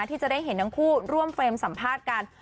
ที่จะได้เห็นทั้งคู่ร่วมเฟรมสัมภาษณ์กัน